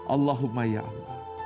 allahumma ya allah